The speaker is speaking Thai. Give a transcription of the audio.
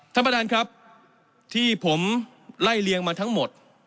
ท่านประธานครับที่ผมไล่เลียงมาทั้งหมด